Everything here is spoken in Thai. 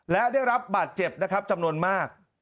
และได้รับบาดเจ็บจำนวนมาก